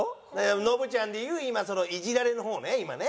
ノブちゃんでいう今そのイジられの方ね今ね。